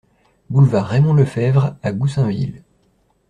Boulevard Raymond Lefevre à Goussainville